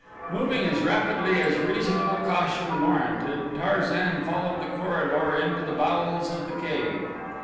Moving as rapidly as reasonable caution warranted, Tarzan followed the corridor into the bowels of the cave.